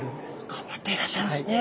頑張っていらっしゃるんですね。